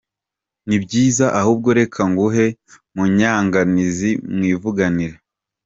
Nti ibyiza ahubwo reka nguhe Munyanganizi mwivuganire.